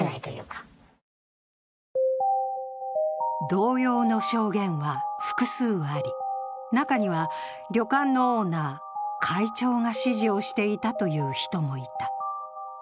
同様の証言は複数あり、中には旅館のオーナー、会長が指示をしていたという人もいた。